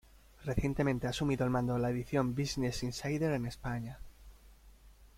Recientemente ha asumido el mando de la edición Business Insider en España.